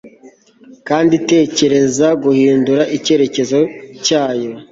Kandi tekereza guhindura icyerekezo cyayo